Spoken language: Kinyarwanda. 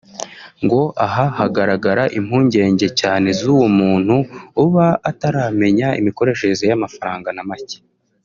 ngo aha hagaragara impungenge cyane z’uwo muntu uba ataramenya imikoreshereze y’amafaranga na macye